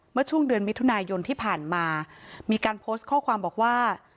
เมื่อช่วงเดือนมิถุนายนที่ผ่านมามีการโพสต์ข้อความบอกว่า